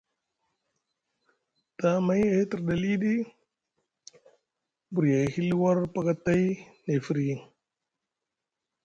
Tamay e hitriɗi aliɗi buri e hili war pakatay nʼe firyiŋ.